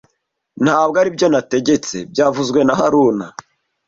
Ntabwo aribyo nategetse byavuzwe na haruna